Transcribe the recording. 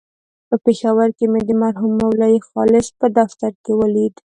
په پېښور کې مې د مرحوم مولوي خالص په دفتر کې ولید.